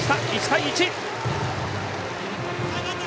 １対１。